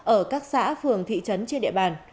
ở các xã phường thị trấn trên địa bàn